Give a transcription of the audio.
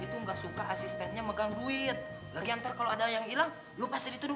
itu enggak suka asistennya megang duit lagi antar kalau ada yang hilang lupa jadi tuduh